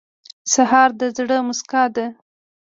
سهار د زړه موسکا ده.